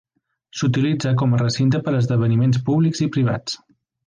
S'utilitza com a recinte per a esdeveniments públics i privats.